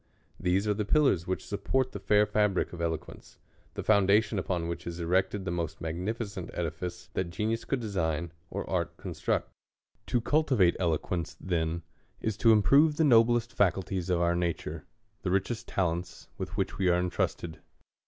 These are the pillars which support the fair fabric of eloquence ; the foundation, upon which is erected the most magnificent edifice, that genius could design, or art construct. To cultivate elo quence, then, is. to improve the noblest faculties of our natnre, the richest talents with which we are entrusted.